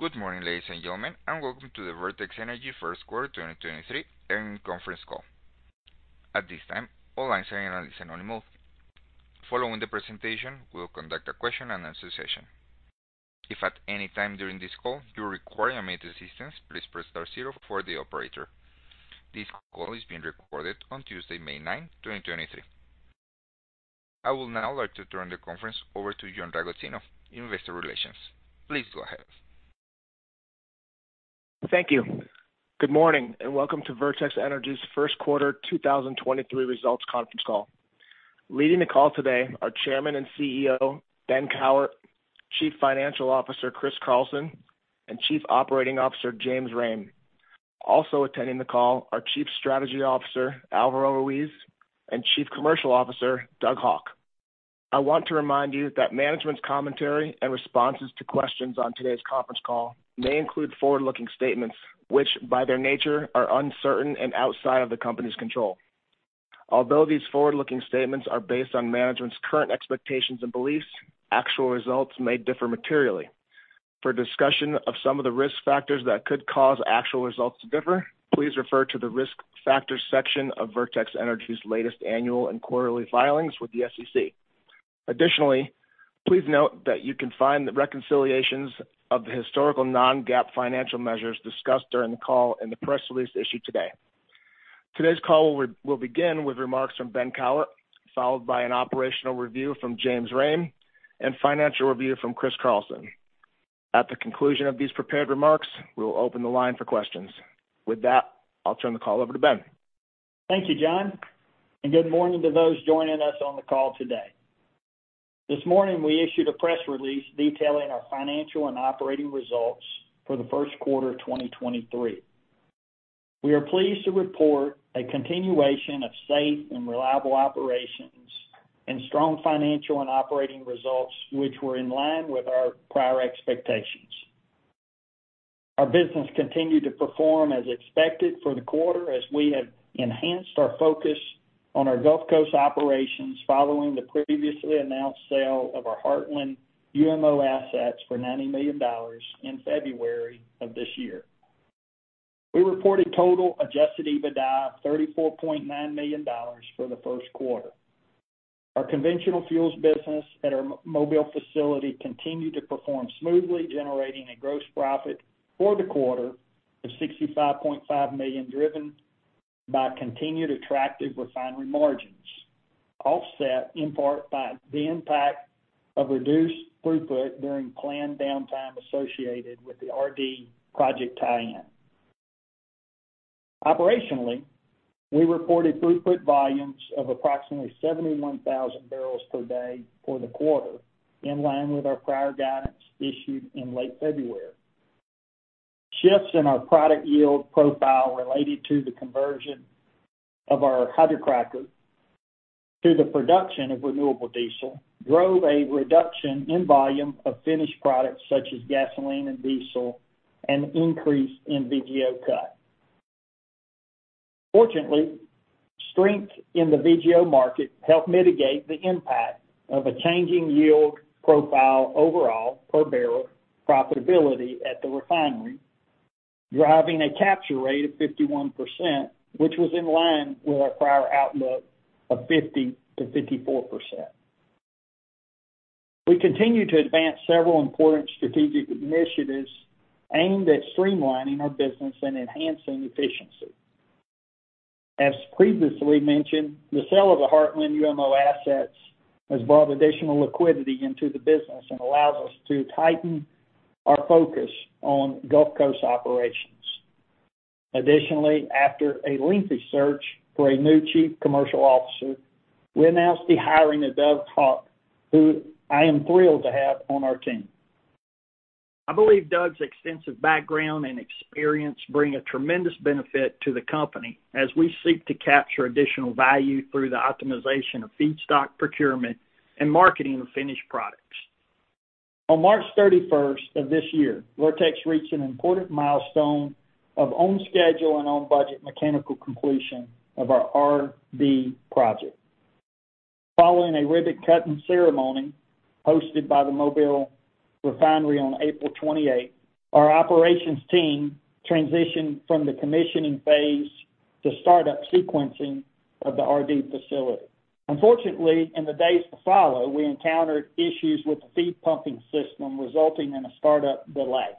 Good morning, ladies and gentlemen, welcome to the Vertex Energy 1st quarter 2023 earnings conference call. At this time, all lines are in a listen-only mode. Following the presentation, we'll conduct a question-and-answer session. If at any time during this call you require immediate assistance, please press star zero for the operator. This call is being recorded on Tuesday, May 9, 2023. I will now like to turn the conference over to John Ragozzino, Investor Relations. Please go ahead. Thank you. Good morning. Welcome to Vertex Energy's first quarter 2023 results conference call. Leading the call today are Chairman and CEO, Ben Cowart, Chief Financial Officer, Chris Carlson, and Chief Operating Officer, James Rhame. Also attending the call are Chief Strategy Officer, Alvaro Ruiz, and Chief Commercial Officer, Doug Haugh. I want to remind you that management's commentary and responses to questions on today's conference call may include forward-looking statements, which, by their nature, are uncertain and outside of the company's control. Although these forward-looking statements are based on management's current expectations and beliefs, actual results may differ materially. For a discussion of some of the risk factors that could cause actual results to differ, please refer to the Risk Factors section of Vertex Energy's latest annual and quarterly filings with the SEC. Please note that you can find the reconciliations of the historical non-GAAP financial measures discussed during the call in the press release issued today. Today's call will begin with remarks from Ben Cowart, followed by an operational review from James Rhame and financial review from Chris Carlson. At the conclusion of these prepared remarks, we will open the line for questions. With that, I'll turn the call over to Ben. Thank you, John. Good morning to those joining us on the call today. This morning, we issued a press release detailing our financial and operating results for the first quarter of 2023. We are pleased to report a continuation of safe and reliable operations and strong financial and operating results, which were in line with our prior expectations. Our business continued to perform as expected for the quarter as we have enhanced our focus on our Gulf Coast operations following the previously announced sale of our Hartman UMO assets for $90 million in February of this year. We reported total adjusted EBITDA of $34.9 million for the first quarter. Our conventional fuels business at our Mobile facility continued to perform smoothly, generating a gross profit for the quarter of $65.5 million, driven by continued attractive refinery margins, offset in part by the impact of reduced throughput during planned downtime associated with the RD project tie-in. Operationally, we reported throughput volumes of approximately 71,000 barrels per day for the quarter, in line with our prior guidance issued in late February. Shifts in our product yield profile related to the conversion of our hydrocracker to the production of renewable diesel drove a reduction in volume of finished products such as gasoline and diesel, and increased in VGO cut. Fortunately, strength in the VGO market helped mitigate the impact of a changing yield profile overall per barrel profitability at the refinery, driving a capture rate of 51%, which was in line with our prior outlook of 50%-54%. We continue to advance several important strategic initiatives aimed at streamlining our business and enhancing efficiency. As previously mentioned, the sale of the Hartman UMO assets has brought additional liquidity into the business and allows us to tighten our focus on Gulf Coast operations. Additionally, after a lengthy search for a new Chief Commercial Officer, we announced the hiring of Doug Haugh, who I am thrilled to have on our team. I believe Doug's extensive background and experience bring a tremendous benefit to the company as we seek to capture additional value through the optimization of feedstock procurement and marketing of finished products. On March 31st of this year, Vertex reached an important milestone of on schedule and on budget mechanical completion of our RD project. Following a ribbon-cutting ceremony hosted by the Mobile Refinery on April 28th, our operations team transitioned from the commissioning phase to startup sequencing of the RD facility. Unfortunately, in the days to follow, we encountered issues with the feed pumping system, resulting in a startup delay,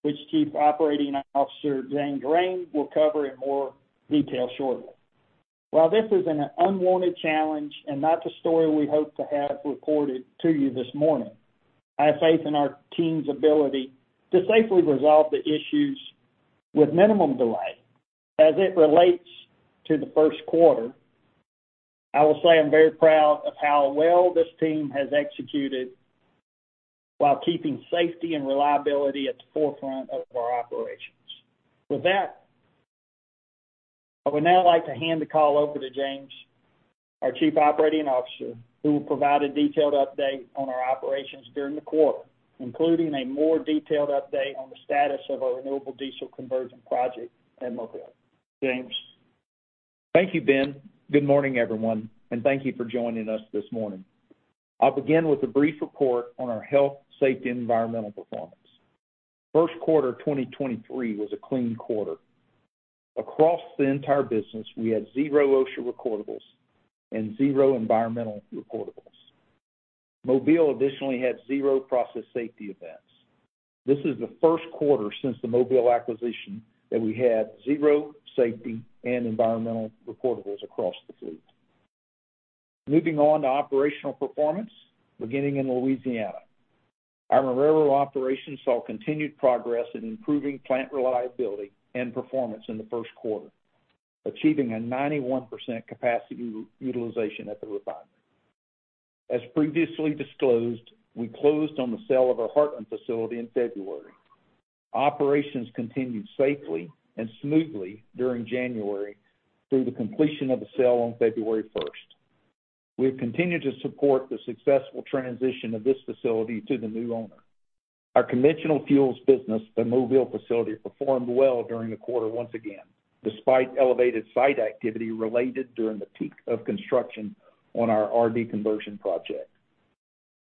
which Chief Operating Officer James Rhame will cover in more detail shortly. While this is an unwanted challenge and not the story we hope to have reported to you this morning, I have faith in our team's ability to safely resolve the issues with minimum delay. As it relates to the first quarter, I will say I'm very proud of how well this team has executed while keeping safety and reliability at the forefront of our operations. With that, I would now like to hand the call over to James, our Chief Operating Officer, who will provide a detailed update on our operations during the quarter, including a more detailed update on the status of our renewable diesel conversion project at Mobile. James? Thank you, Ben. Good morning, everyone, and thank you for joining us this morning. I'll begin with a brief report on our health, safety, environmental performance. First quarter 2023 was a clean quarter. Across the entire business, we had zero OSHA recordables and zero environmental recordables. Mobile additionally had zero process safety events. This is the first quarter since the Mobile acquisition that we had zero safety and environmental recordables across the fleet. Moving on to operational performance. Beginning in Louisiana, our Marrero operation saw continued progress in improving plant reliability and performance in the first quarter, achieving a 91% capacity utilization at the refinery. As previously disclosed, we closed on the sale of our Hartman facility in February. Operations continued safely and smoothly during January through the completion of the sale on February 1st. We've continued to support the successful transition of this facility to the new owner. Our conventional fuels business, the Mobile facility, performed well during the quarter once again, despite elevated site activity related during the peak of construction on our RD conversion project.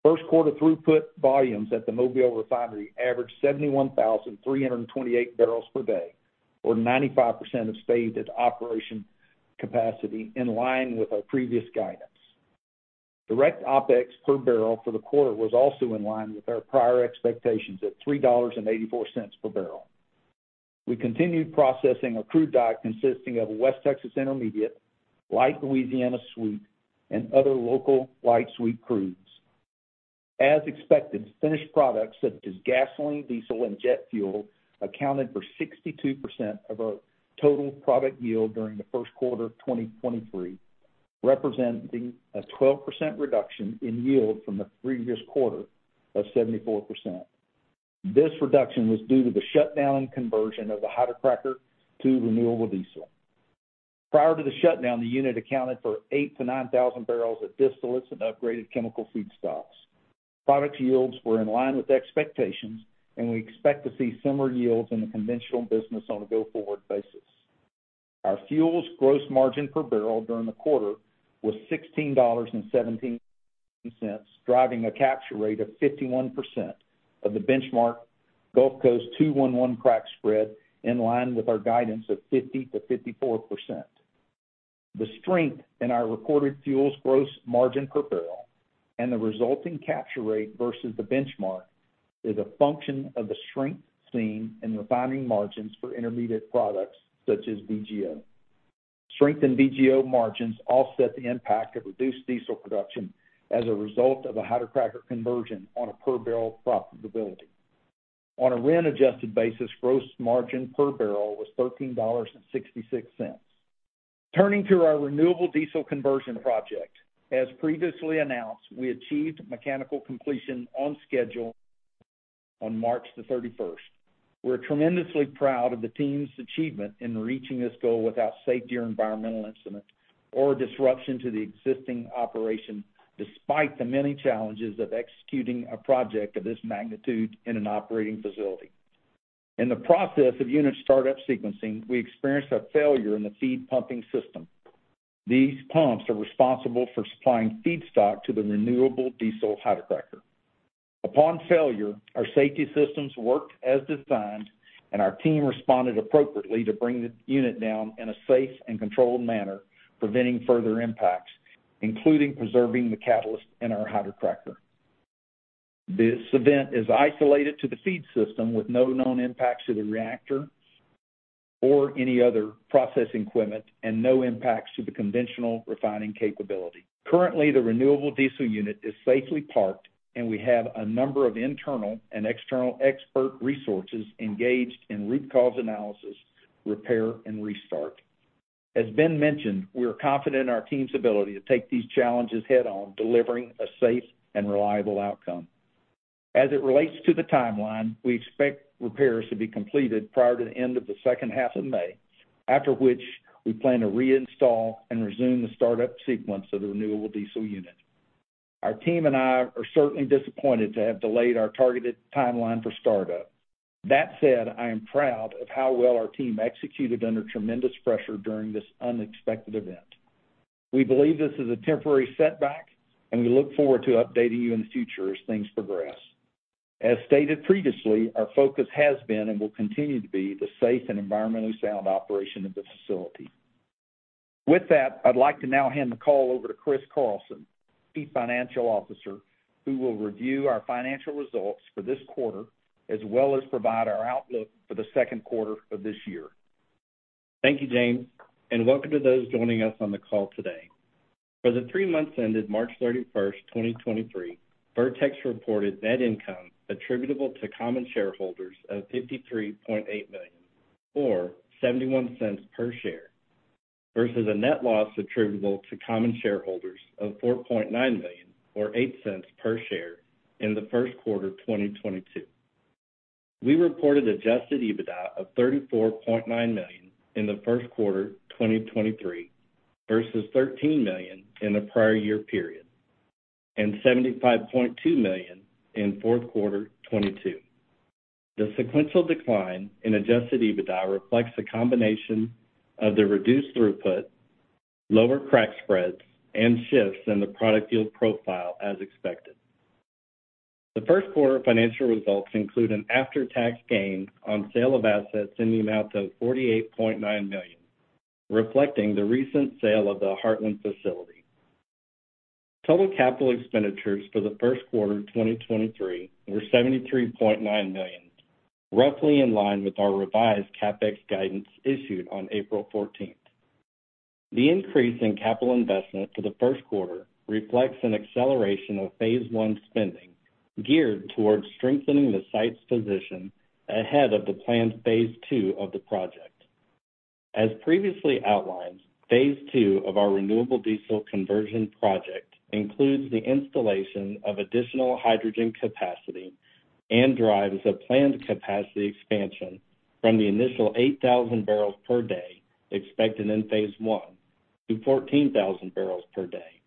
First quarter throughput volumes at the Mobile Refinery averaged 71,328 barrels per day, or 95% of stated operation capacity in line with our previous guidance. Direct OpEx per barrel for the quarter was also in line with our prior expectations at $3.84 per barrel. We continued processing a crude diet consisting of West Texas Intermediate, Light Louisiana Sweet, and other local light sweet crudes. As expected, finished products such as gasoline, diesel, and jet fuel accounted for 62% of our total product yield during the first quarter of 2023, representing a 12% reduction in yield from the previous quarter of 74%. This reduction was due to the shutdown and conversion of the hydrocracker to renewable diesel. Prior to the shutdown, the unit accounted for 8,000-9,000 barrels of distillates and upgraded chemical feedstocks. Product yields were in line with expectations, and we expect to see similar yields in the conventional business on a go-forward basis. Our fuels gross margin per barrel during the quarter was $16.17, driving a capture rate of 51% of the benchmark Gulf Coast 2-1-1 crack spread in line with our guidance of 50%-54%. The strength in our recorded fuels gross margin per barrel and the resulting capture rate versus the benchmark is a function of the strength seen in refining margins for intermediate products such as VGO. Strengthened VGO margins offset the impact of reduced diesel production as a result of a hydrocracker conversion on a per-barrel profitability. On a RIN-adjusted basis, gross margin per barrel was $13.66. Turning to our renewable diesel conversion project. As previously announced, we achieved mechanical completion on schedule on March 31st. We're tremendously proud of the team's achievement in reaching this goal without safety or environmental incidents or disruption to the existing operation, despite the many challenges of executing a project of this magnitude in an operating facility. In the process of unit startup sequencing, we experienced a failure in the feed pumping system. These pumps are responsible for supplying feedstock to the renewable diesel hydrocracker. Upon failure, our safety systems worked as designed, and our team responded appropriately to bring the unit down in a safe and controlled manner, preventing further impacts, including preserving the catalyst in our hydrocracker. This event is isolated to the feed system with no known impacts to the reactor or any other processing equipment, and no impacts to the conventional refining capability. Currently, the renewable diesel unit is safely parked, and we have a number of internal and external expert resources engaged in root cause analysis, repair, and restart. As Ben mentioned, we are confident in our team's ability to take these challenges head on, delivering a safe and reliable outcome. As it relates to the timeline, we expect repairs to be completed prior to the end of the second half of May, after which we plan to reinstall and resume the startup sequence of the renewable diesel unit. Our team and I are certainly disappointed to have delayed our targeted timeline for startup. That said, I am proud of how well our team executed under tremendous pressure during this unexpected event. We believe this is a temporary setback, and we look forward to updating you in the future as things progress. As stated previously, our focus has been and will continue to be the safe and environmentally sound operation of this facility. With that, I'd like to now hand the call over to Chris Carlson, Chief Financial Officer, who will review our financial results for this quarter as well as provide our outlook for the second quarter of this year. Thank you, James, and welcome to those joining us on the call today. For the three months ended March 31st, 2023, Vertex reported net income attributable to common shareholders of $53.8 million or $0.71 per share, versus a net loss attributable to common shareholders of $4.9 million or $0.08 per share in the first quarter of 2022. We reported adjusted EBITDA of $34.9 million in the first quarter of 2023 versus $13 million in the prior year period, and $75.2 million in fourth quarter of 2022. The sequential decline in adjusted EBITDA reflects a combination of the reduced throughput, lower crack spreads, and shifts in the product yield profile as expected. The first quarter financial results include an after-tax gain on sale of assets in the amount of $48.9 million, reflecting the recent sale of the Hartman facility. Total capital expenditures for the first quarter of 2023 were $73.9 million, roughly in line with our revised CapEx guidance issued on April 14th. The increase in capital investment for the first quarter reflects an acceleration of phase one spending geared towards strengthening the site's position ahead of the planned phase two of the project. As previously outlined, phase two of our renewable diesel conversion project includes the installation of additional hydrogen capacity and drives a planned capacity expansion from the initial 8,000 barrels per day expected in phase one to 14,000 barrels per day.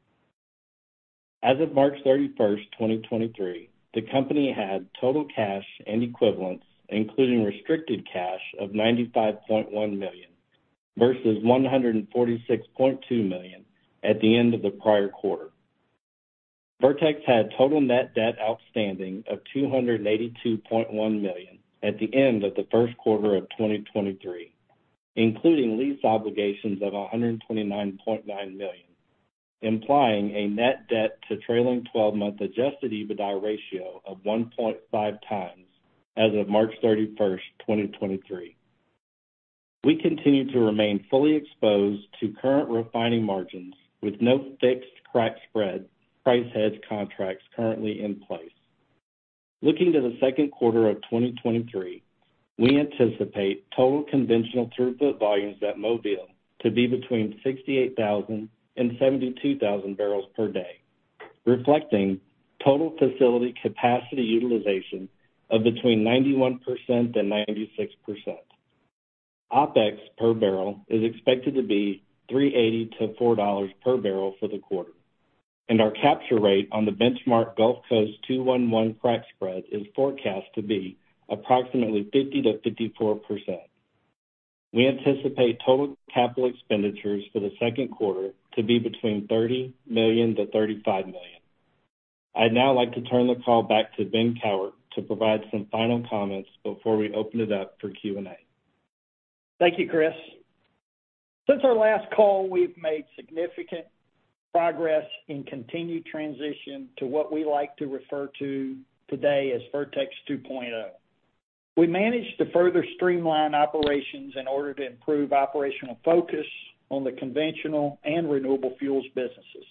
As of March 31st, 2023, the company had total cash and equivalents, including restricted cash of $95.1 million versus $146.2 million at the end of the prior quarter. Vertex had total net debt outstanding of $282.1 million at the end of the first quarter of 2023, including lease obligations of $129.9 million, implying a net debt to trailing twelve-month adjusted EBITDA ratio of 1.5x as of March 31st, 2023. We continue to remain fully exposed to current refining margins with no fixed crack spread price hedge contracts currently in place. Looking to the second quarter of 2023, we anticipate total conventional throughput volumes at Mobile to be between 68,000 and 72,000 barrels per day, reflecting total facility capacity utilization of between 91% and 96%. OpEx per barrel is expected to be $3.80-$4 per barrel for the quarter, and our capture rate on the benchmark Gulf Coast 2-1-1 crack spread is forecast to be approximately 50%-54%. We anticipate total capital expenditures for the second quarter to be between $30 million-$35 million. I'd now like to turn the call back to Ben Cowart to provide some final comments before we open it up for Q&A. Thank you, Chris. Since our last call, we've made significant progress in continued transition to what we like to refer to today as Vertex 2.0. We managed to further streamline operations in order to improve operational focus on the conventional and renewable fuels businesses.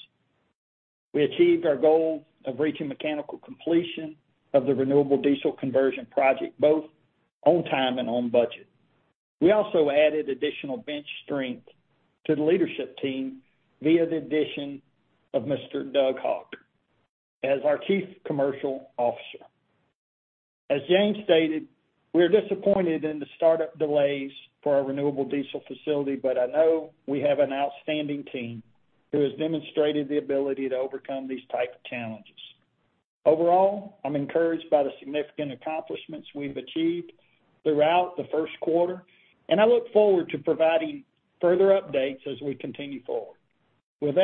We achieved our goal of reaching mechanical completion of the renewable diesel conversion project both on time and on budget. We also added additional bench strength to the leadership team via the addition of Mr. Doug Haugh as our Chief Commercial Officer. As James stated, we are disappointed in the startup delays for our renewable diesel facility, but I know we have an outstanding team who has demonstrated the ability to overcome these type of challenges. Overall, I'm encouraged by the significant accomplishments we've achieved throughout the first quarter, and I look forward to providing further updates as we continue forward. We'll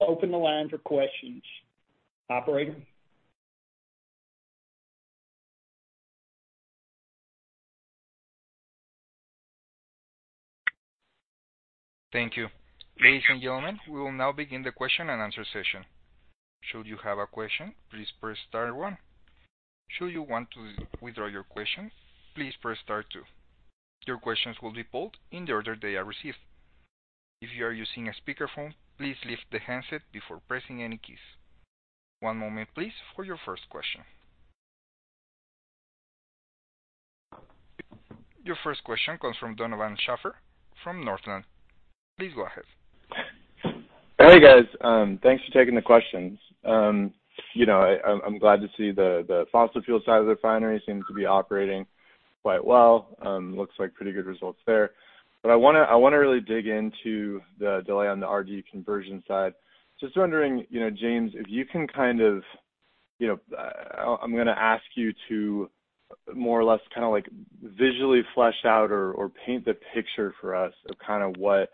open the line for questions. Operator? Thank you. Ladies and gentlemen, we will now begin the question and answer session. Should you have a question, please press star one. Should you want to withdraw your question, please press star two. Your questions will be pulled in the order they are received. If you are using a speakerphone, please lift the handset before pressing any keys. One moment, please, for your first question. Your first question comes from Donovan Schafer from Northland. Please go ahead. Hey, guys. Thanks for taking the questions. You know, I'm glad to see the fossil fuel side of the refinery seems to be operating quite well. Looks like pretty good results there. I wanna, I wanna really dig into the delay on the RD conversion side. Just wondering, you know, James, if you can kind of, you know, I'm gonna ask you to more or less kinda like visually flesh out or paint the picture for us of kinda what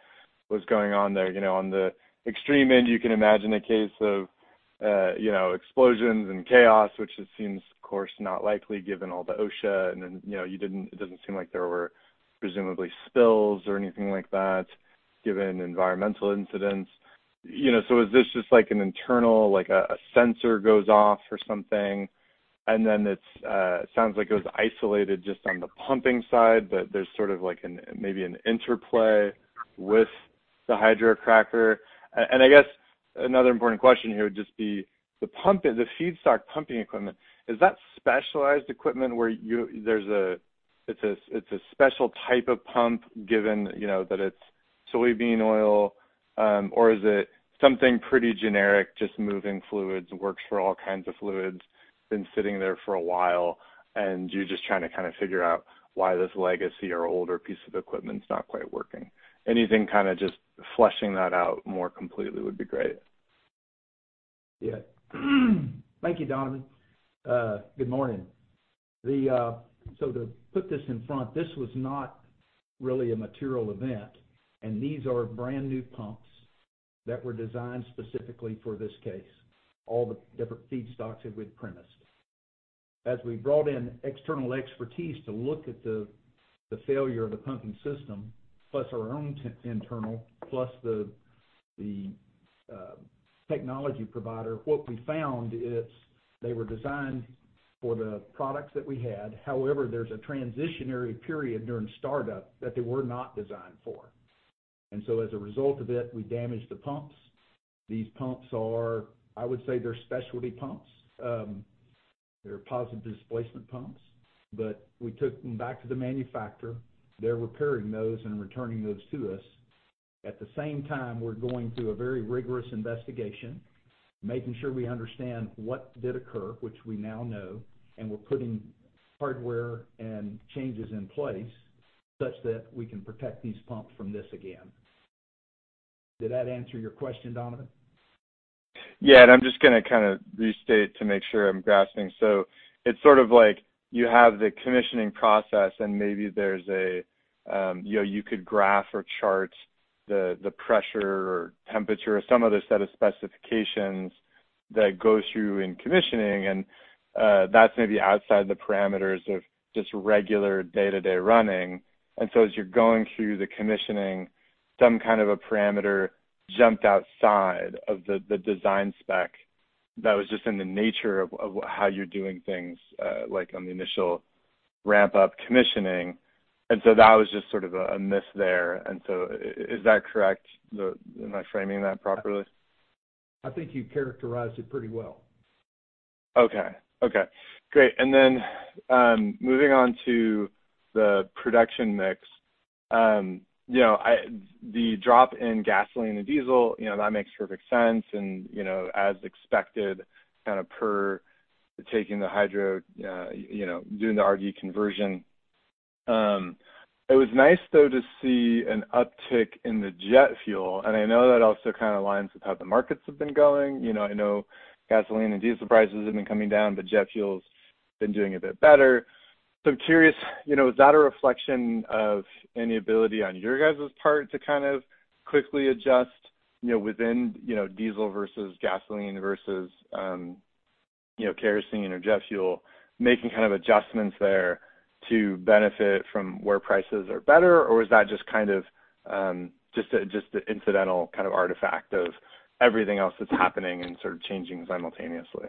was going on there. You know, on the extreme end, you can imagine a case of, you know, explosions and chaos, which it seems, of course, not likely given all the OSHA and then, you know, it doesn't seem like there were presumably spills or anything like that, given environmental incidents. You know, is this just like an internal, like a sensor goes off or something, and then it's, sounds like it was isolated just on the pumping side, but there's sort of like an, maybe an interplay with the hydrocracker. And I guess another important question here would just be the pump at the feedstock pumping equipment, is that specialized equipment where it's a special type of pump given, you know, that it's soybean oil, or is it something pretty generic, just moving fluids, works for all kinds of fluids, been sitting there for a while, and you're just trying to kinda figure out why this legacy or older piece of equipment's not quite working? Anything kinda just fleshing that out more completely would be great. Thank you, Donovan. Good morning. To put this in front, this was not really a material event, and these are brand-new pumps that were designed specifically for this case, all the different feedstocks that we'd premised. As we brought in external expertise to look at the failure of the pumping system, plus our own internal, plus the technology provider, what we found is they were designed for the products that we had. However, there's a transitionary period during startup that they were not designed for. As a result of it, we damaged the pumps. These pumps are, I would say, specialty pumps. They're positive displacement pumps. We took them back to the manufacturer. They're repairing those and returning those to us. At the same time, we're going through a very rigorous investigation, making sure we understand what did occur, which we now know. We're putting hardware and changes in place such that we can protect these pumps from this again. Did that answer your question, Donovan? Yeah. I'm just gonna kinda restate to make sure I'm grasping. It's sort of like you have the commissioning process and maybe there's a, you know, you could graph or chart the pressure or temperature or some other set of specifications that go through in commissioning. That's maybe outside the parameters of just regular day-to-day running. As you're going through the commissioning, some kind of a parameter jumped outside of the design spec that was just in the nature of how you're doing things, like on the initial ramp-up commissioning. That was just sort of a miss there. Is that correct? Am I framing that properly? I think you characterized it pretty well. Okay. Great. Moving on to the production mix. you know, The drop in gasoline and diesel, you know, that makes perfect sense and, you know, as expected, kind of per taking the hydro, you know, doing the RG conversion. It was nice, though, to see an uptick in the jet fuel. I know that also kind of aligns with how the markets have been going. You know, I know gasoline and diesel prices have been coming down, but jet fuel's been doing a bit better. I'm curious, you know, is that a reflection of any ability on your guys' part to kind of quickly adjust, you know, within, you know, diesel versus gasoline versus, you know, kerosene or jet fuel, making kind of adjustments there to benefit from where prices are better? Is that just kind of, just an incidental kind of artifact of everything else that's happening and sort of changing simultaneously?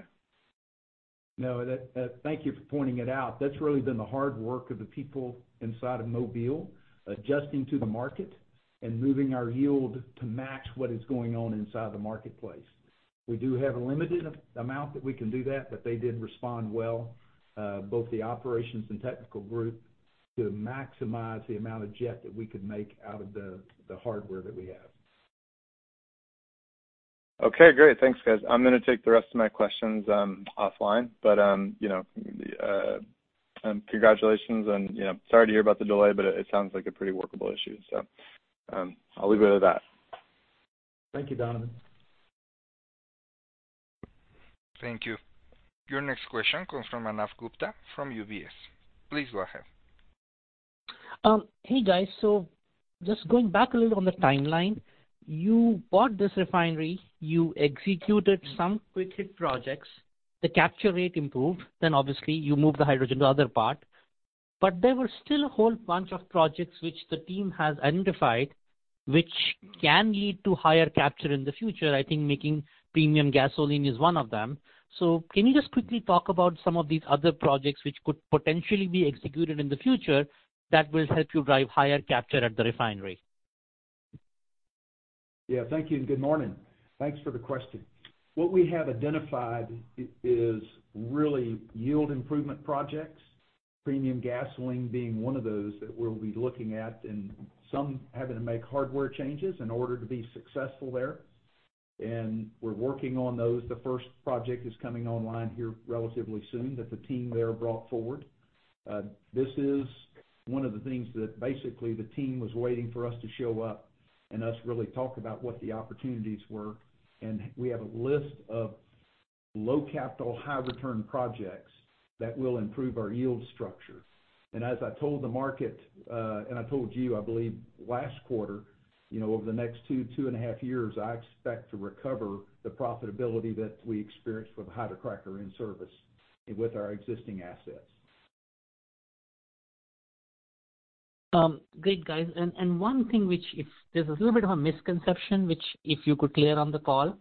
No. Thank you for pointing it out. That's really been the hard work of the people inside of Mobile adjusting to the market and moving our yield to match what is going on inside the marketplace. We do have a limited amount that we can do that, but they did respond well, both the operations and technical group, to maximize the amount of jet that we could make out of the hardware that we have. Okay, great. Thanks, guys. I'm gonna take the rest of my questions, offline. You know, congratulations and, you know, sorry to hear about the delay, but it sounds like a pretty workable issue. I'll leave it at that. Thank you, Donovan. Thank you. Your next question comes from Manav Gupta from UBS. Please go ahead. Hey, guys. Just going back a little on the timeline, you bought this refinery, you executed some quick-hit projects, the capture rate improved, then obviously you moved the hydrogen to other part. There were still a whole bunch of projects which the team has identified which can lead to higher capture in the future. I think making premium gasoline is one of them. Can you just quickly talk about some of these other projects which could potentially be executed in the future that will help you drive higher capture at the refinery? Thank you. Good morning. Thanks for the question. What we have identified is really yield improvement projects, premium gasoline being one of those that we'll be looking at, and some having to make hardware changes in order to be successful there. We're working on those. The first project is coming online here relatively soon that the team there brought forward. This is one of the things that basically the team was waiting for us to show up and us really talk about what the opportunities were. We have a list of low capital, high return projects that will improve our yield structure. As I told the market, and I told you, I believe last quarter, you know, over the next two and a half years, I expect to recover the profitability that we experienced with hydrocracker in service with our existing assets. Great, guys. One thing which there's a little bit of a misconception which if you could clear on the call.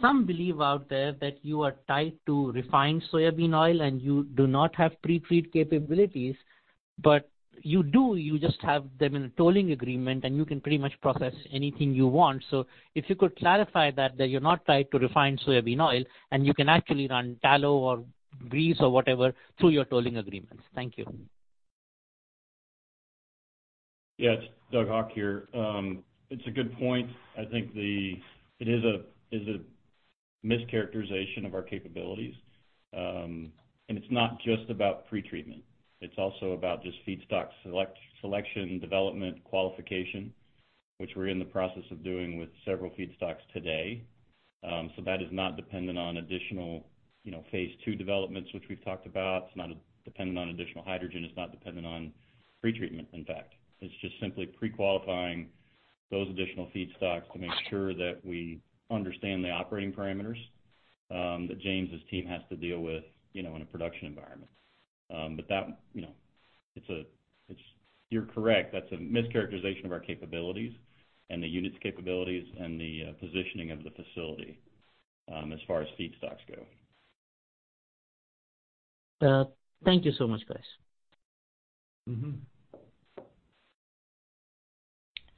Some believe out there that you are tied to refined soybean oil and you do not have pre-treat capabilities. You do, you just have them in a tolling agreement, and you can pretty much process anything you want. If you could clarify that you're not tied to refined soybean oil, and you can actually run tallow or grease or whatever through your tolling agreements. Thank you. It's Doug Haugh here. It's a good point. I think it is a mischaracterization of our capabilities. It's not just about pretreatment, it's also about just feedstock selection, development, qualification, which we're in the process of doing with several feedstocks today. That is not dependent on additional, you know, phase II developments, which we've talked about. It's not dependent on additional hydrogen. It's not dependent on pretreatment in fact. It's just simply pre-qualifying those additional feedstocks to make sure that we understand the operating parameters that James's team has to deal with, you know, in a production environment. That, you know, you're correct. That's a mischaracterization of our capabilities and the unit's capabilities and the positioning of the facility as far as feedstocks go. Thank you so much, guys. Mm-hmm.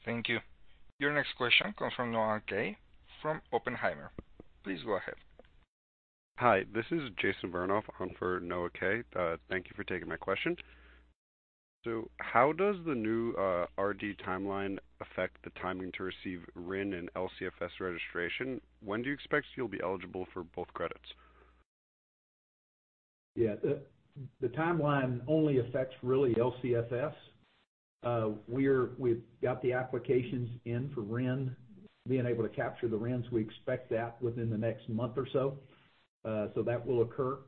Thank you. Your next question comes from Noah Kaye from Oppenheimer. Please go ahead. Hi, this is Jason Vernoff on for Noah Kaye. Thank you for taking my question. How does the new RD timeline affect the timing to receive RIN and LCFS registration? When do you expect you'll be eligible for both credits? The timeline only affects really LCFS. We've got the applications in for RIN. Being able to capture the RINs, we expect that within the next month or so. So that will occur,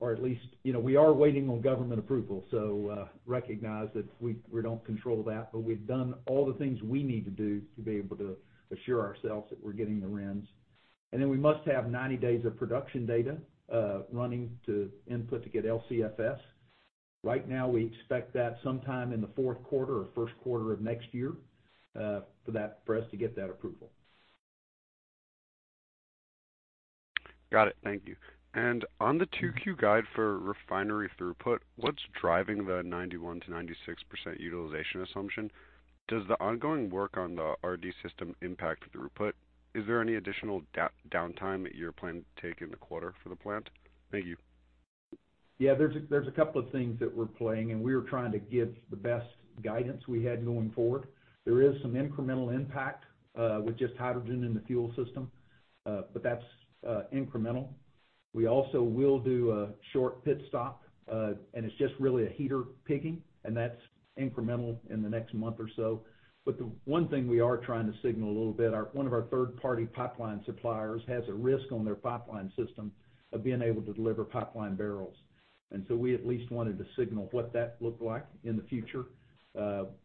or at least, you know, we are waiting on government approval, so recognize that we don't control that, but we've done all the things we need to do to be able to assure ourselves that we're getting the RINs. We must have 90 days of production data running to input to get LCFS. Right now, we expect that sometime in the fourth quarter or first quarter of next year for us to get that approval. Got it. Thank you. On the 2Q guide for refinery throughput, what's driving the 91%-96% utilization assumption? Does the ongoing work on the RD system impact the throughput? Is there any additional downtime that you're planning to take in the quarter for the plant? Thank you. Yeah, there's a couple of things that we're playing, and we were trying to give the best guidance we had going forward. There is some incremental impact with just hydrogen in the fuel system, but that's incremental. We also will do a short pit stop, and it's just really a heater pigging, and that's incremental in the next month or so. The one thing we are trying to signal a little bit, one of our third-party pipeline suppliers has a risk on their pipeline system of being able to deliver pipeline barrels. We at least wanted to signal what that looked like in the future.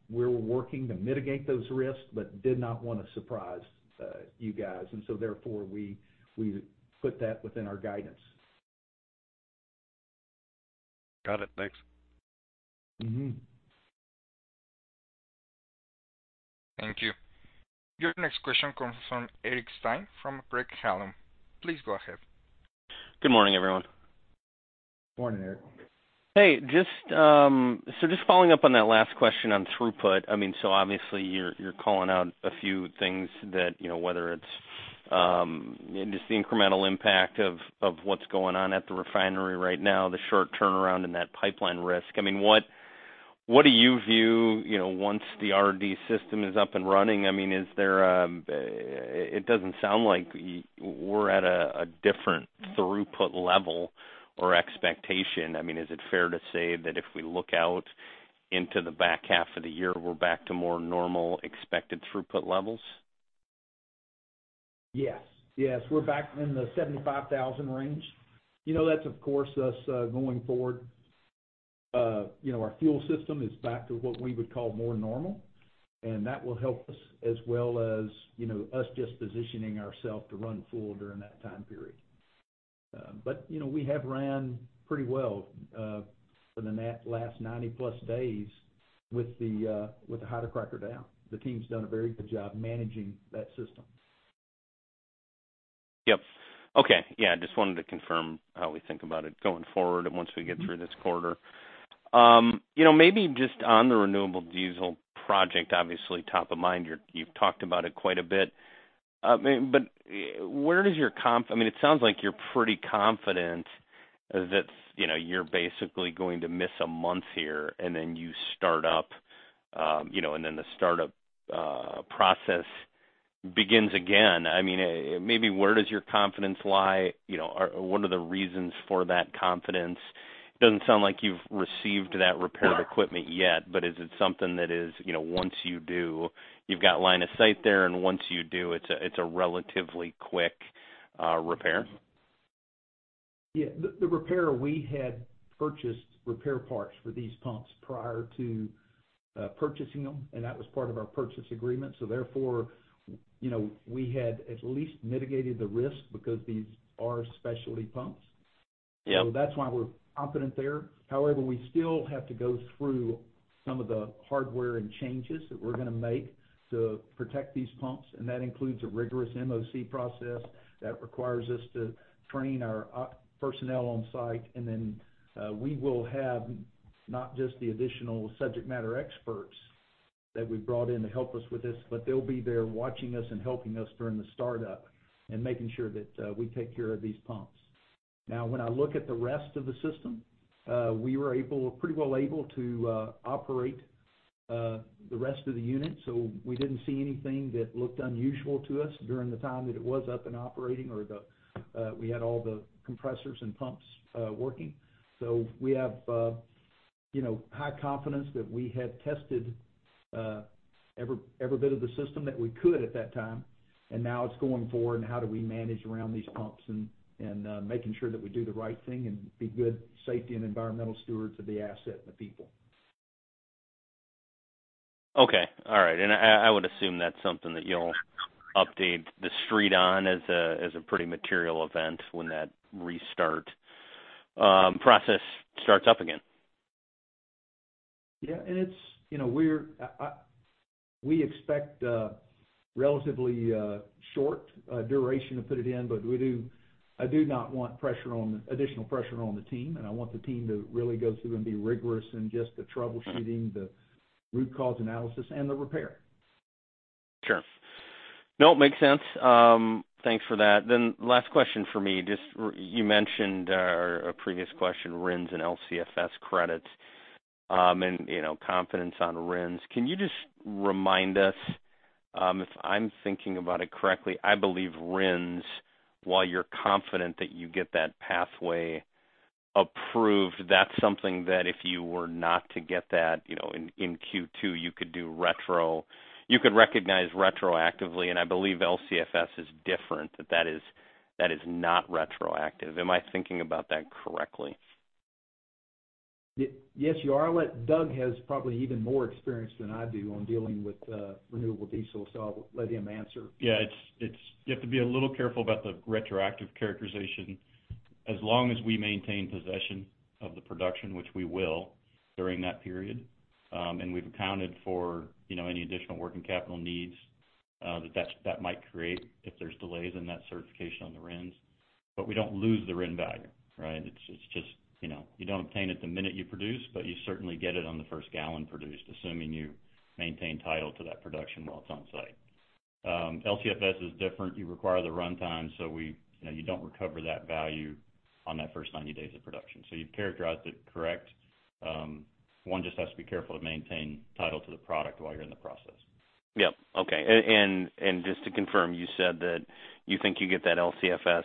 We're working to mitigate those risks, but did not wanna surprise you guys. Therefore, we put that within our guidance. Got it. Thanks. Mm-hmm. Thank you. Your next question comes from Eric Stine from Craig-Hallum. Please go ahead. Good morning, everyone. Morning, Eric. Just following up on that last question on throughput. I mean, obviously you're calling out a few things that, you know, whether it's just the incremental impact of what's going on at the refinery right now, the short turnaround and that pipeline risk. I mean, what do you view, you know, once the RD system is up and running? I mean, is there, it doesn't sound like we're at a different throughput level or expectation. I mean, is it fair to say that if we look out into the back half of the year, we're back to more normal expected throughput levels? Yes. Yes. We're back in the 75,000 range. You know, that's of course us going forward. You know, our fuel system is back to what we would call more normal. That will help us as well as, you know, us just positioning ourself to run full during that time period. You know, we have ran pretty well within that last 90+ days with the hydrocracker down. The team's done a very good job managing that system. Yep. Okay. Yeah, just wanted to confirm how we think about it going forward and once we get through this quarter. You know, maybe just on the renewable diesel project, obviously top of mind, you've talked about it quite a bit. Where does your confidence I mean, it sounds like you're pretty confident that, you know, you're basically going to miss a month here and then you start up, you know, and then the startup process begins again. I mean, maybe where does your confidence lie? You know, or what are the reasons for that confidence? It doesn't sound like you've received that repaired equipment yet, but is it something that is, you know, once you do, you've got line of sight there, and once you do, it's a, it's a relatively quick repair? Yeah. The repair we had purchased repair parts for these pumps prior to purchasing them, and that was part of our purchase agreement. Therefore, you know, we had at least mitigated the risk because these are specialty pumps. Yeah. That's why we're confident there. However, we still have to go through some of the hardware and changes that we're gonna make to protect these pumps, and that includes a rigorous MOC process that requires us to train our personnel on site. We will have not just the additional subject matter experts that we've brought in to help us with this, but they'll be there watching us and helping us during the startup and making sure that we take care of these pumps. When I look at the rest of the system, we were pretty well able to operate the rest of the unit. We didn't see anything that looked unusual to us during the time that it was up and operating or the, we had all the compressors and pumps working. We have, you know, high confidence that we had tested every bit of the system that we could at that time. Now it's going forward and how do we manage around these pumps and making sure that we do the right thing and be good safety and environmental stewards of the asset and the people. Okay. All right. I would assume that's something that you'll update the Street on as a, as a pretty material event when that restart process starts up again. Yeah. It's, you know, We expect a relatively short duration to put it in, but I do not want additional pressure on the team, and I want the team to really go through and be rigorous in just the troubleshooting, the root cause analysis and the repair. Sure. No, it makes sense. Thanks for that. Last question for me, just you mentioned a previous question, RINs and LCFS credits, and, you know, confidence on RINs. Can you just remind us, if I'm thinking about it correctly, I believe RINs, while you're confident that you get that pathway approved, that's something that if you were not to get that, you know, in Q2, you could recognize retroactively, and I believe LCFS is different, that is not retroactive. Am I thinking about that correctly? Yes, you are. Doug has probably even more experience than I do on dealing with, renewable diesel, so I'll let him answer. Yeah, it's, you have to be a little careful about the retroactive characterization. As long as we maintain possession of the production, which we will during that period, and we've accounted for, you know, any additional working capital needs, that might create if there's delays in that certification on the RINs. We don't lose the RIN value, right? It's just, you know, you don't obtain it the minute you produce, but you certainly get it on the first gallon produced, assuming you maintain title to that production while it's on site. LCFS is different. You require the runtime, so we, you know, you don't recover that value on that first 90 days of production. You've characterized it correct. One just has to be careful to maintain title to the product while you're in the process. Yep. Okay. Just to confirm, you said that you think you get that LCFS,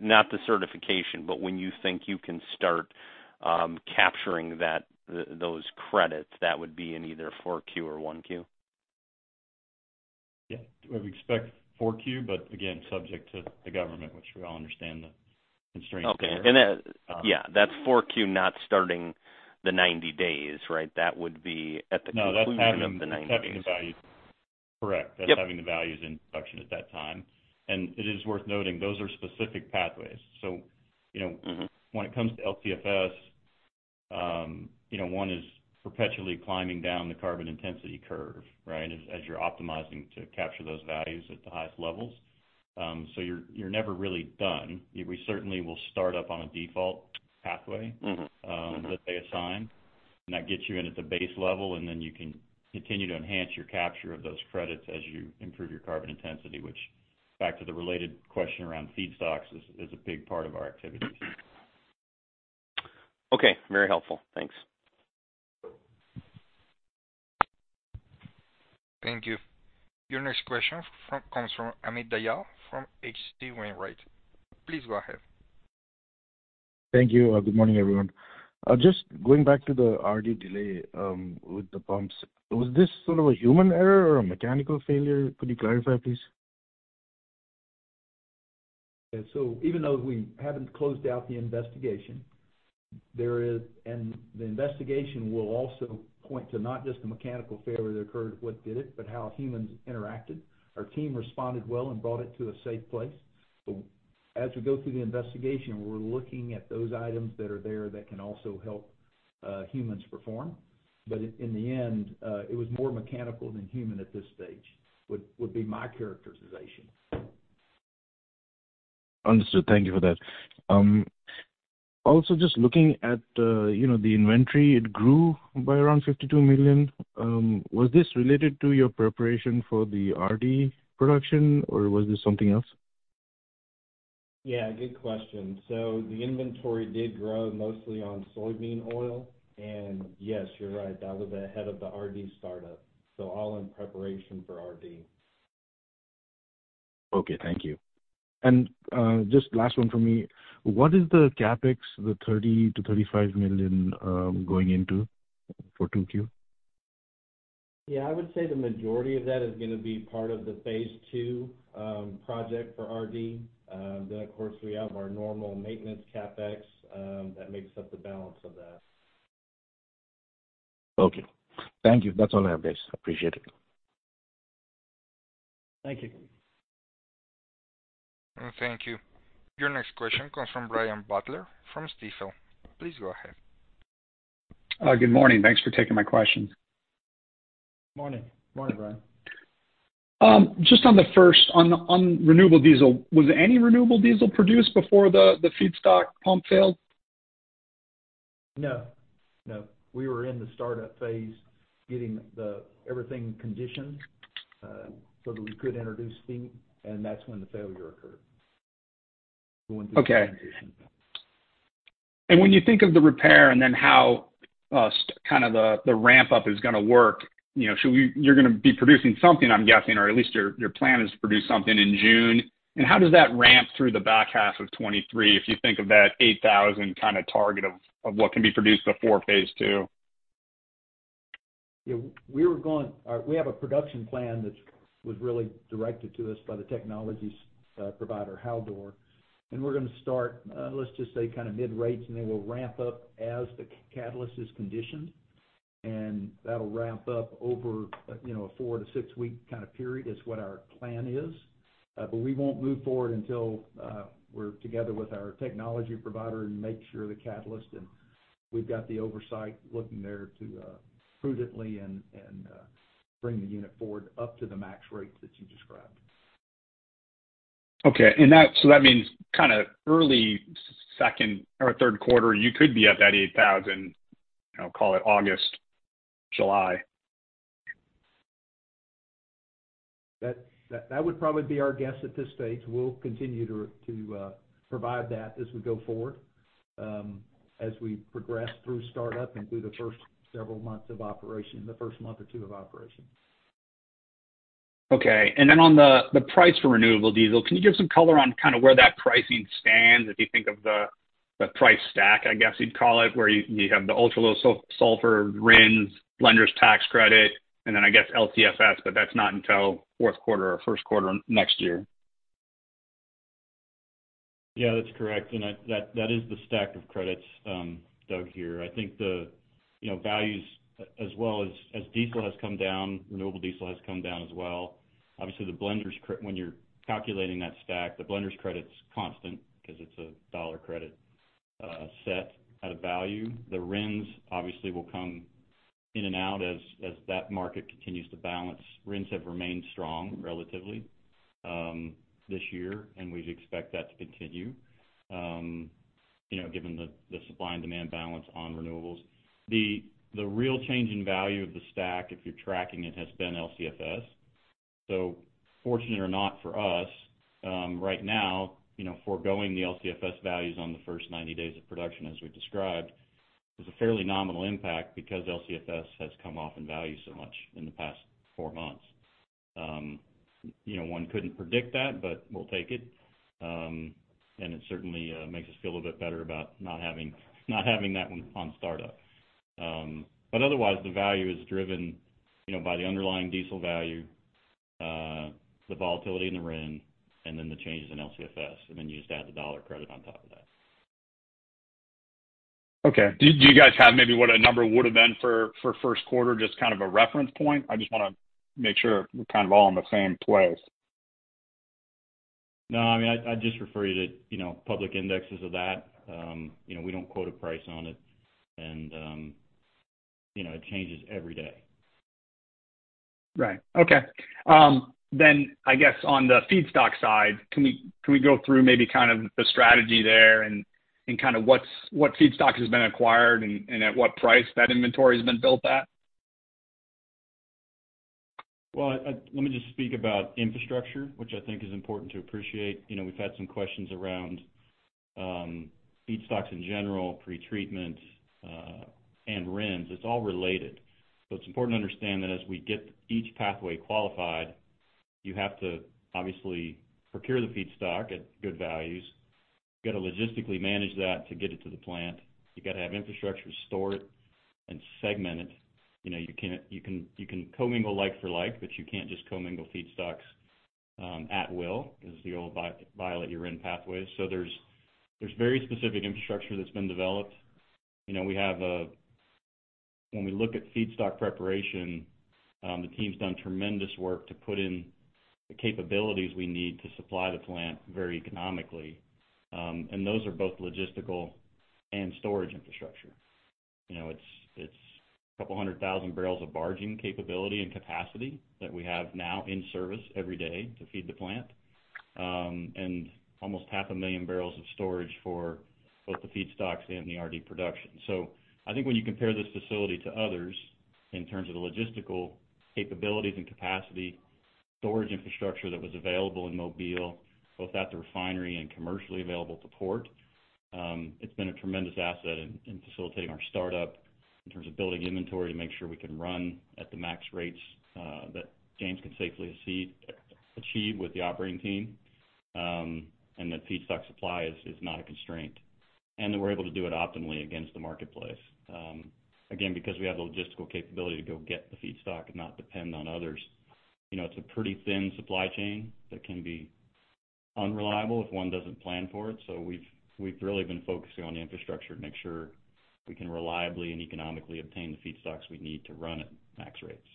not the certification, but when you think you can start capturing that, those credits, that would be in either four Q or one Q? Yeah. We expect 4Q, but again, subject to the government, which we all understand the constraints there. Okay. Yeah, that's 4Q not starting the 90 days, right? That would be at the conclusion of the 90 days. No, that's having the value. Correct. Yep. That's having the values in production at that time. It is worth noting, those are specific pathways. you know. Mm-hmm. When it comes to LCFS, you know, one is perpetually climbing down the carbon intensity curve, right? As you're optimizing to capture those values at the highest levels. You're never really done. We certainly will start up on a default pathway. Mm-hmm. that they assign, and that gets you in at the base level, and then you can continue to enhance your capture of those credits as you improve your carbon intensity, which back to the related question around feedstocks is a big part of our activity too. Okay. Very helpful. Thanks. Thank you. Your next question comes from Amit Dayal from H.C. Wainwright. Please go ahead. Thank you. Good morning, everyone. Just going back to the RD delay, with the pumps, was this sort of a human error or a mechanical failure? Could you clarify, please? Even though we haven't closed out the investigation, the investigation will also point to not just the mechanical failure that occurred, what did it, but how humans interacted. Our team responded well and brought it to a safe place. As we go through the investigation, we're looking at those items that are there that can also help humans perform. In the end, it was more mechanical than human at this stage, would be my characterization. Understood. Thank you for that. Also, just looking at, you know, the inventory, it grew by around $52 million. Was this related to your preparation for the RD production, or was this something else? Yeah, good question. The inventory did grow mostly on soybean oil. Yes, you're right, that was ahead of the RD startup. All in preparation for RD. Okay, thank you. Just last one for me. What is the CapEx, the $30 million-$35 million, going into for 2Q? I would say the majority of that is gonna be part of the phase II project for RD. Of course, we have our normal maintenance CapEx that makes up the balance of that. Okay. Thank you. That's all I have, guys. Appreciate it. Thank you. Thank you. Your next question comes from Brian Butler from Stifel. Please go ahead. Good morning. Thanks for taking my questions. Morning. Morning, Brian. Just on the first, on renewable diesel, was there any renewable diesel produced before the feedstock pump failed? No, no. We were in the startup phase getting everything conditioned so that we could introduce feed. That's when the failure occurred. Okay. When you think of the repair and then how kind of the ramp up is gonna work, you know, you're gonna be producing something, I'm guessing, or at least your plan is to produce something in June. How does that ramp through the back half of 2023 if you think of that 8,000 kind of target of what can be produced before phase 2? Yeah. We have a production plan that's was really directed to us by the technologies provider, Haldor. We're gonna start, let's just say kind of mid-rate, and then we'll ramp up as the catalyst is conditioned. That'll ramp up over, you know, a four to six week kind of period is what our plan is. We won't move forward until we're together with our technology provider and make sure the catalyst and we've got the oversight looking there to prudently and bring the unit forward up to the max rate that you described. Okay. That means kind of early second or third quarter, you could be at that 8,000, you know, call it August, July. That would probably be our guess at this stage. We'll continue to provide that as we go forward, as we progress through startup and through the first several months of operation, the first month or two of operation. Okay. Then on the price for renewable diesel, can you give some color on kind of where that pricing stands if you think of the price stack, I guess you'd call it, where you have the ultra-low sulfur RINs, blenders tax credit, and then I guess LCFS, but that's not until fourth quarter or first quarter next year? Yeah, that's correct. That is the stack of credits, Doug, here. I think the, you know, values as well as diesel has come down, renewable diesel has come down as well. Obviously, the blender's when you're calculating that stack, the blender's credit's constant because it's a $1 credit, set at a value. The RINs obviously will come in and out as that market continues to balance. RINs have remained strong relatively, this year, we expect that to continue, you know, given the supply and demand balance on renewables. The real change in value of the stack, if you're tracking it, has been LCFS. Fortunate or not for us, right now, you know, foregoing the LCFS values on the first 90 days of production, as we described, is a fairly nominal impact because LCFS has come off in value so much in the past 4 months. You know, one couldn't predict that, but we'll take it. And it certainly makes us feel a little bit better about not having, not having that one on startup. Otherwise, the value is driven, you know, by the underlying diesel value, the volatility in the RIN, and then the changes in LCFS, and then you just add the dollar credit on top of that. Okay. Do you guys have maybe what a number would have been for first quarter, just kind of a reference point? I just wanna make sure we're kind of all on the same place. No. I mean, I just refer you to, you know, public indexes of that. You know, we don't quote a price on it and, you know, it changes every day. Right. Okay. I guess on the feedstock side, can we go through maybe kind of the strategy there and kind of what feedstock has been acquired and at what price that inventory's been built at? Well, let me just speak about infrastructure, which I think is important to appreciate. You know, we've had some questions around feedstocks in general, pretreatment, and RINs. It's all related. It's important to understand that as we get each pathway qualified, you have to obviously procure the feedstock at good values. You got to logistically manage that to get it to the plant. You got to have infrastructure to store it and segment it. You know, you can't. You can commingle like for like, but you can't just commingle feedstocks at will 'cause you'll violate your RIN pathways. There's very specific infrastructure that's been developed. You know, we have. When we look at feedstock preparation, the team's done tremendous work to put in the capabilities we need to supply the plant very economically. Those are both logistical and storage infrastructure. You know, it's a couple hundred thousand barrels of barging capability and capacity that we have now in service every day to feed the plant, and almost half a million barrels of storage for both the feedstocks and the RD production. I think when you compare this facility to others in terms of the logistical capabilities and capacity, storage infrastructure that was available in Mobile, both at the refinery and commercially available to port, it's been a tremendous asset in facilitating our startup in terms of building inventory to make sure we can run at the max rates that James can safely achieve with the operating team, and that feedstock supply is not a constraint, and that we're able to do it optimally against the marketplace, again, because we have the logistical capability to go get the feedstock and not depend on others. You know, it's a pretty thin supply chain that can be unreliable if one doesn't plan for it. We've really been focusing on the infrastructure to make sure we can reliably and economically obtain the feedstocks we need to run at max rates.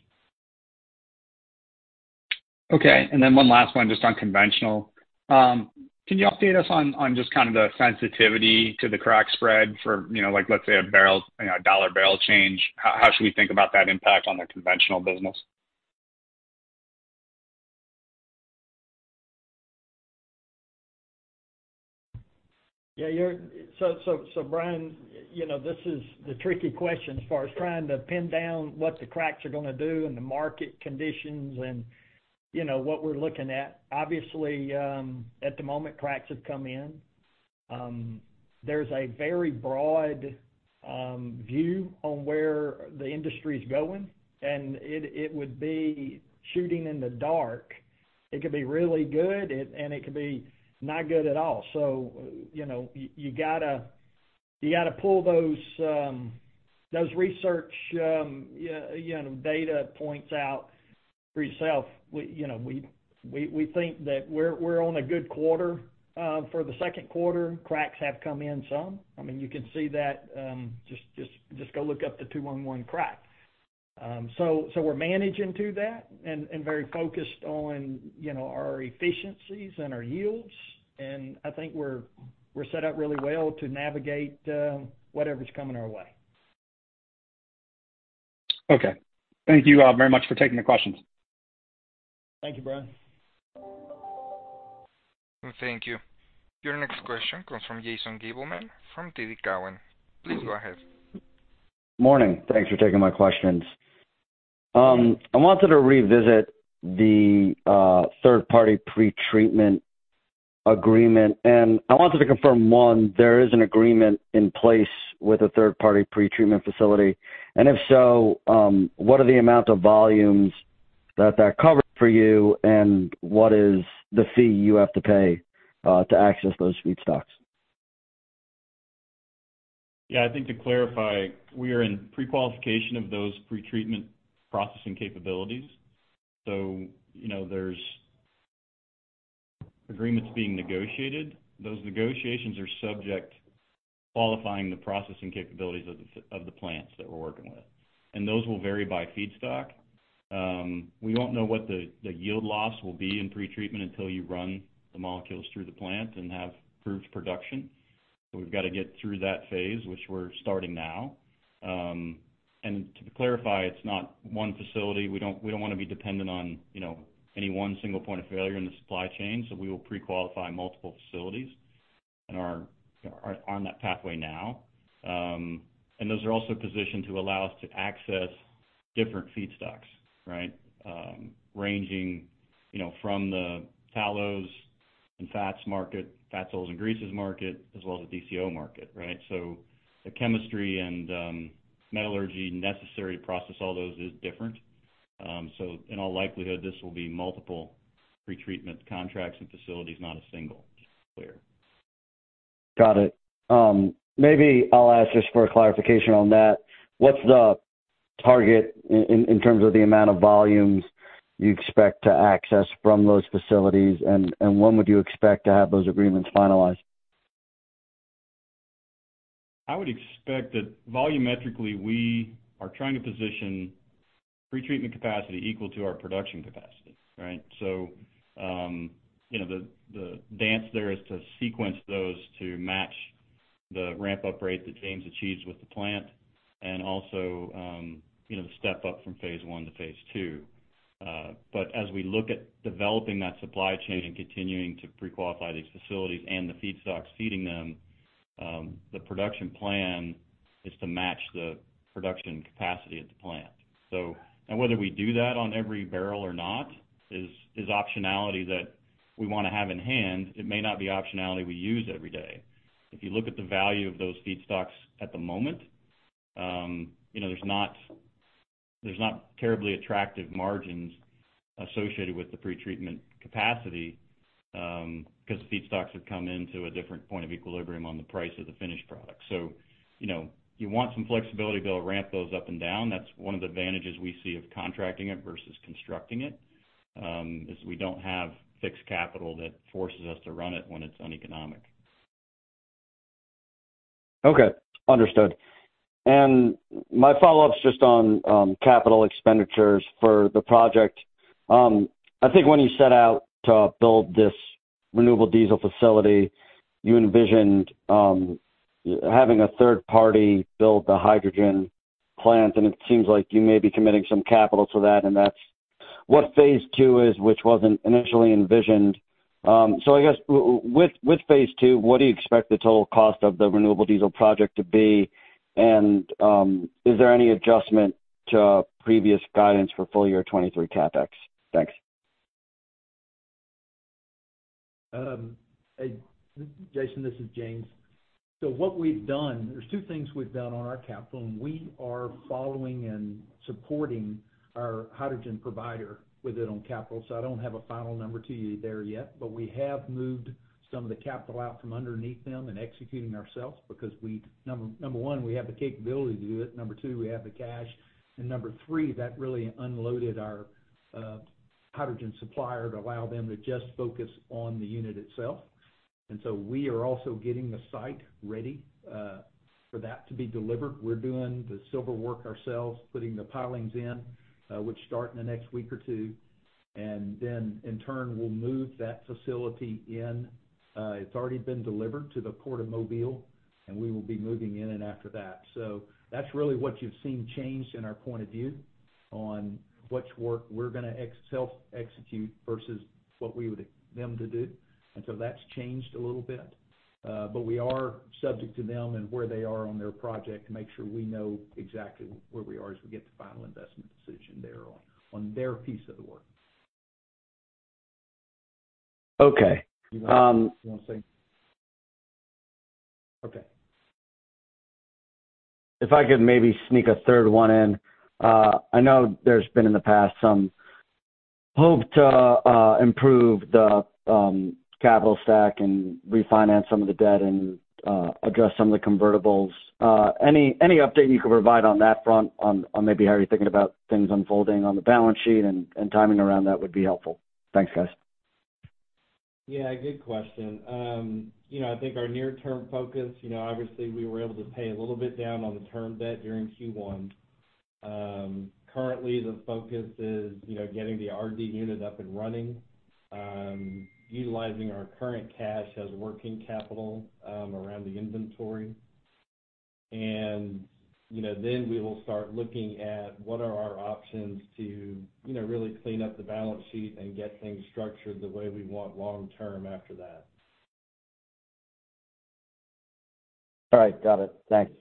Okay. One last one just on conventional. Can you update us on just kind of the sensitivity to the crack spread for, you know, like, let's say, a barrel, you know, a $1 barrel change? How should we think about that impact on the conventional business? Brian, you know, this is the tricky question as far as trying to pin down what the cracks are gonna do and the market conditions and, you know, what we're looking at. Obviously, at the moment, cracks have come in. There's a very broad view on where the industry is going, and it would be shooting in the dark. It could be really good, and it could be not good at all. You know, you gotta pull those research, you know, data points out for yourself. We think that we're on a good quarter for the second quarter. Cracks have come in some. I mean, you can see that, just go look up the 2-1-1 crack. We're managing to that and very focused on, you know, our efficiencies and our yields. I think we're set up really well to navigate whatever's coming our way. Okay. Thank you all very much for taking the questions. Thank you, Brian. Thank you. Your next question comes from Jason Gabelman from TD Cowen. Please go ahead. Morning. Thanks for taking my questions. I wanted to revisit the third-party pretreatment agreement, and I wanted to confirm, one, there is an agreement in place with a third-party pretreatment facility. If so, what are the amount of volumes that that covers for you, and what is the fee you have to pay to access those feedstocks? I think to clarify, we are in prequalification of those pretreatment processing capabilities. you know, there's agreements being negotiated. Those negotiations are subject to qualifying the processing capabilities of the plants that we're working with. those will vary by feedstock. We won't know what the yield loss will be in pretreatment until you run the molecules through the plant and have proved production. we've got to get through that phase, which we're starting now. And to clarify, it's not one facility. We don't wanna be dependent on, you know, any one single point of failure in the supply chain. we will prequalify multiple facilities and are on that pathway now. And those are also positioned to allow us to access different feedstocks, right? ranging, you know, from the tallow and fats market, fats, oils and greases market, as well as the DCO market, right? The chemistry and metallurgy necessary to process all those is different. In all likelihood, this will be multiple pretreatment contracts and facilities, not a single, just to be clear. Got it. Maybe I'll ask just for a clarification on that. What's the target in terms of the amount of volumes you expect to access from those facilities? When would you expect to have those agreements finalized? I would expect that volumetrically, we are trying to position pretreatment capacity equal to our production capacity, right? you know, the dance there is to sequence those to match the ramp up rate that James achieves with the plant and also, you know, the step up from phase one to phase two. but as we look at developing that supply chain and continuing to prequalify these facilities and the feedstocks seeding them, the production plan is to match the production capacity at the plant. Now whether we do that on every barrel or not is optionality that we wanna have in hand. It may not be optionality we use every day. If you look at the value of those feedstocks at the moment, you know, there's not terribly attractive margins associated with the pretreatment capacity, 'cause feedstocks have come into a different point of equilibrium on the price of the finished product. You know, you want some flexibility to be able to ramp those up and down. That's one of the advantages we see of contracting it versus constructing it, is we don't have fixed capital that forces us to run it when it's uneconomic. Okay. Understood. My follow-up is just on capital expenditures for the project. I think when you set out to build this renewable diesel facility, you envisioned having a third party build the hydrogen plant, and it seems like you may be committing some capital to that, and that's what phase two is, which wasn't initially envisioned. I guess with phase two, what do you expect the total cost of the renewable diesel project to be? Is there any adjustment to previous guidance for full year 2023 CapEx? Thanks. Hey, Jason, this is James. What we've done, there's two things we've done on our capital, and we are following and supporting our hydrogen provider with it on capital. I don't have a final number to you there yet. We have moved some of the capital out from underneath them and executing ourselves because we number one, we have the capability to do it. Number two, we have the cash. Number three, that really unloaded our hydrogen supplier to allow them to just focus on the unit itself. We are also getting the site ready for that to be delivered. We're doing the civil work ourselves, putting the pilings in, which start in the next week or two. In turn, we'll move that facility in. It's already been delivered to the Port of Mobile. We will be moving in and after that. That's really what you've seen change in our point of view on which work we're gonna self-execute versus what we would them to do. That's changed a little bit. We are subject to them and where they are on their project to make sure we know exactly where we are as we get to final investment decision there on their piece of the work. Okay. You wanna say? Okay. If I could maybe sneak a third one in. I know there's been in the past some hope to improve the capital stack and refinance some of the debt and address some of the convertibles. Any update you could provide on that front on maybe how you're thinking about things unfolding on the balance sheet and timing around that would be helpful. Thanks, guys. Yeah, good question. You know, I think our near-term focus, you know, obviously, we were able to pay a little bit down on the term debt during Q1. Currently, the focus is, you know, getting the RD unit up and running, utilizing our current cash as working capital, around the inventory. You know, then we will start looking at what are our options to, you know, really clean up the balance sheet and get things structured the way we want long term after that. All right, got it. Thanks.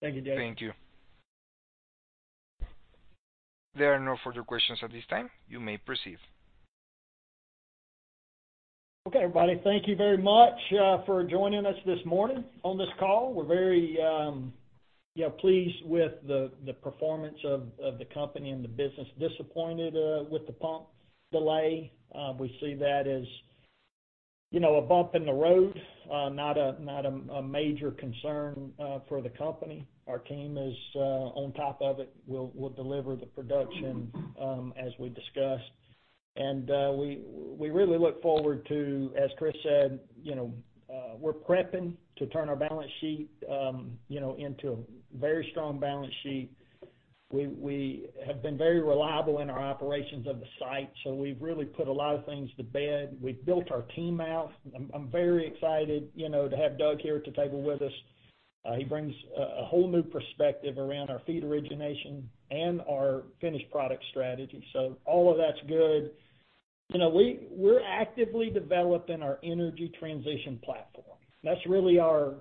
Thank you, Dave. Thank you. There are no further questions at this time. You may proceed. Okay, everybody. Thank you very much for joining us this morning on this call. We're very, you know, pleased with the performance of the company and the business. Disappointed with the pump delay. We see that as, you know, a bump in the road, not a major concern for the company. Our team is on top of it. We'll deliver the production as we discussed. We really look forward to, as Chris said, you know, we're prepping to turn our balance sheet, you know, into a very strong balance sheet. We have been very reliable in our operations of the site, so we've really put a lot of things to bed. We've built our team out. I'm very excited, you know, to have Doug here at the table with us. He brings a whole new perspective around our feed origination and our finished product strategy. All of that's good. You know, we're actively developing our energy transition platform. That's really our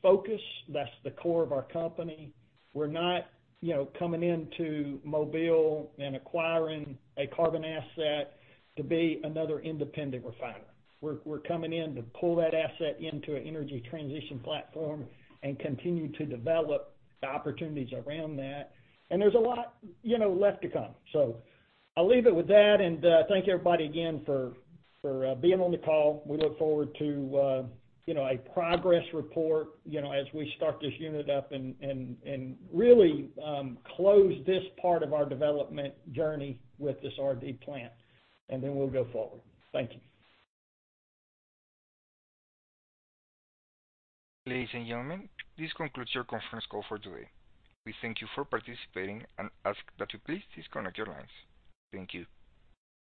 focus. That's the core of our company. We're not, you know, coming into Mobile and acquiring a carbon asset to be another independent refiner. We're coming in to pull that asset into an energy transition platform and continue to develop the opportunities around that. There's a lot, you know, left to come. I'll leave it with that. Thank everybody again for being on the call. We look forward to, you know, a progress report, you know, as we start this unit up and really, close this part of our development journey with this RD plant, and then we'll go forward. Thank you. Ladies and gentlemen, this concludes your conference call for today. We thank you for participating and ask that you please disconnect your lines. Thank you.